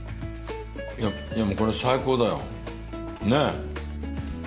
いやでもこれ最高だよねっ。